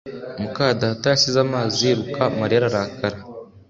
muka data yasize amazi yiruka Mariya ararakara